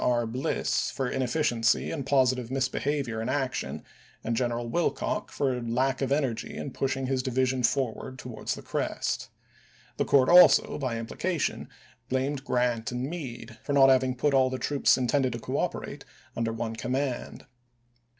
R. Bliss, for inefficiency and positive misbehavior in action, and General Willcox for a lack of energy in pushing his division forward towards the crest ; the court also, by implication, blamed Grant and Meade for not having put all the troops intended to cooperate under one command.